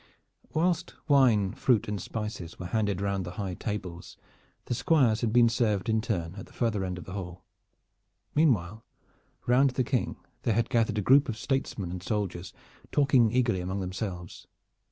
Whilst wine, fruit and spices were handed round the high tables the squires had been served in turn at the farther end of the hall. Meanwhile round the King there had gathered a group of statesmen and soldiers, talking eagerly among themselves.